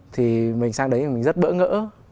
thì mình sang đấy thì mình rất bỡ ngỡ